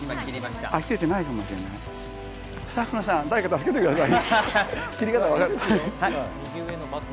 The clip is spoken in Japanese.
スタッフさん、誰か助けてください。